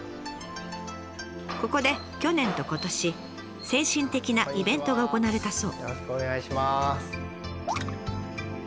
ここで去年と今年先進的なイベントが行われたそう。